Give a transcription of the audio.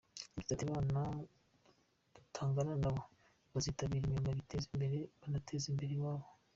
Yagize ati “Abana tungana nabo bazitabire imyuga biteze imbere banateze imbere iwabo.